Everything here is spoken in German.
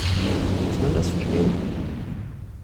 Muss man das verstehen?